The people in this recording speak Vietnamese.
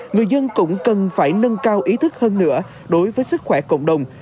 người dân cũng cần phải nâng cao ý thức hơn nữa đối với sức khỏe cộng đồng